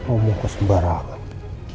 omong kau sembarangan